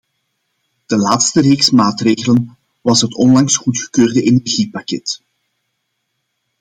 De laatste reeks maatregelen was het onlangs goedgekeurde energiepakket.